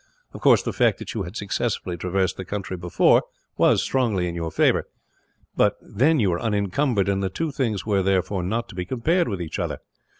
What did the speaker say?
Of course, the fact that you had successfully traversed the country before was strongly in your favour; but then you were unencumbered, and the two things were, therefore, not to be compared with each other.